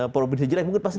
provinsi jelek mungkin pas ini